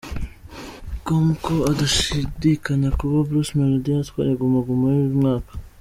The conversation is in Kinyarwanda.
com ko adashidikanya kuba Bruce Melody yatwara Guma Guma y’uyu mwaka.